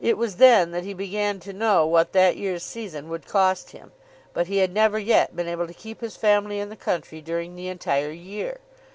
It was then that he began to know what that year's season would cost him. But he had never yet been able to keep his family in the country during the entire year.